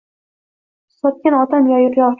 Sotgan otam, yor-yor.